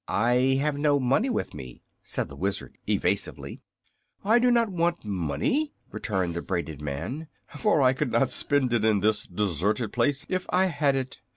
"I have no money with me," said the Wizard, evasively. "I do not want money," returned the braided man, "for I could not spend it in this deserted place if I had it.